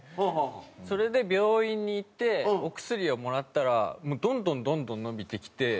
それで病院に行ってお薬をもらったらどんどんどんどん伸びてきて。